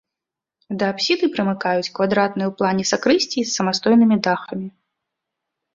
Да апсіды прымыкаюць квадратныя ў плане сакрысціі з самастойнымі дахамі.